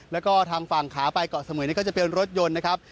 แล้วก็ทางฝั่งขาไปเกาะสมุยนี่ก็จะเป็นรถยนต์นะครับ